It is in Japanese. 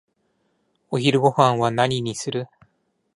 お昼ごはんは何にする？